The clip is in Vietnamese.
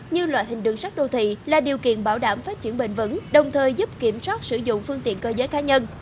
như loại hình đường sắt đô thị là điều kiện bảo đảm phát triển bền vững đồng thời giúp kiểm soát sử dụng phương tiện cơ giới cá nhân